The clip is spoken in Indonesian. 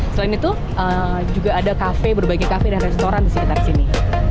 selain itu juga ada kafe berbagai kafe dan restoran di sekitar sini